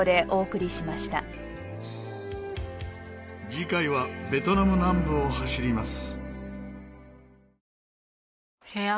次回はベトナム南部を走ります。